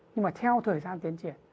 nhưng mà theo thời gian tiến triển